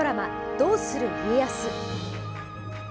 「どうする家康」。